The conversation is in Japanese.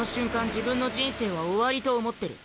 自分の人生は終わりと思ってる。